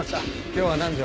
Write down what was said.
今日は何錠？